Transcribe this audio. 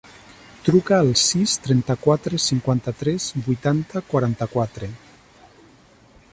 Truca al sis, trenta-quatre, cinquanta-tres, vuitanta, quaranta-quatre.